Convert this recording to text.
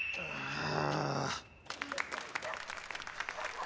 ああ！